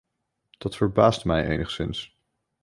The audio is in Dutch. Dat verbaast mij enigszins.